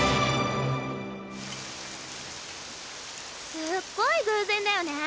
すっごい偶然だよね。